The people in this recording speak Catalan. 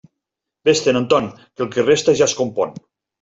Vés-te'n, Anton, que el qui resta ja es compon.